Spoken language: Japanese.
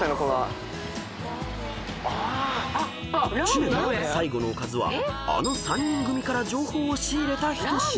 ［知念最後のおかずはあの３人組から情報を仕入れた１品］